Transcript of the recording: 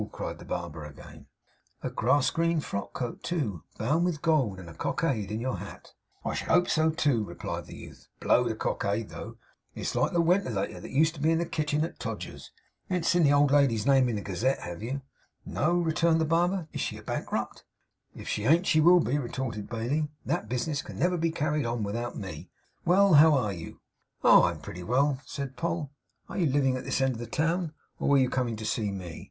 cried the barber again. 'A grass green frock coat, too, bound with gold; and a cockade in your hat!' 'I should hope so,' replied the youth. 'Blow the cockade, though; for, except that it don't turn round, it's like the wentilator that used to be in the kitchen winder at Todgers's. You ain't seen the old lady's name in the Gazette, have you?' 'No,' returned the barber. 'Is she a bankrupt?' 'If she ain't, she will be,' retorted Bailey. 'That bis'ness never can be carried on without ME. Well! How are you?' 'Oh! I'm pretty well,' said Poll. 'Are you living at this end of the town, or were you coming to see me?